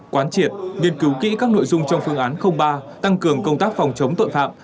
quán triệt nghiên cứu kỹ các nội dung trong phương án ba tăng cường công tác phòng chống tội phạm